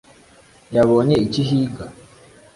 yabonye icyo ihiga?